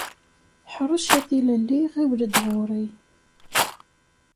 Ḥrec a tilelli, ɣiwel-d ɣur-i.